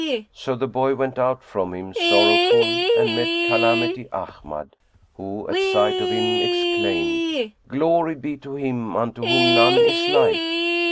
So the boy went out from him sorrowful, and met Calamity Ahmad, who at sight of him exclaimed, "Glory be to Him unto whom none is like!"